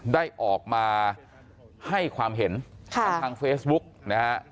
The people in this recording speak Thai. ได้ออกมาให้ความเห็นทางเฟซบุ๊กนะฮะ